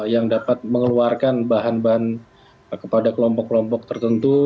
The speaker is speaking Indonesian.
yang dapat mengeluarkan bahan bahan kepada kelompok kelompok tertentu